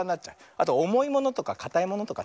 あとおもいものとかかたいものとか。